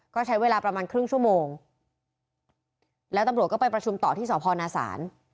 ก็ใช้เวลาประมาณครึ่งชั่วโมงแล้วตำรวจก็ไปประชุมต่อที่สพนาศาล